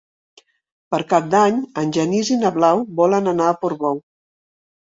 Per Cap d'Any en Genís i na Blau volen anar a Portbou.